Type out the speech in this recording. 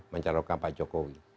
mencarokan pak jokowi